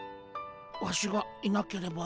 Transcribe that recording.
ワシがいなければ。